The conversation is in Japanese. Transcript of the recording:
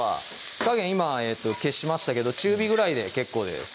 火加減今消しましたけど中火ぐらいで結構です